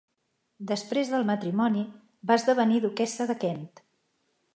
Després del matrimoni, va esdevenir duquessa de Kent.